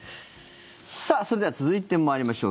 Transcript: それでは続いて参りましょう。